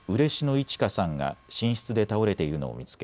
いち花さんが寝室で倒れているのを見つけ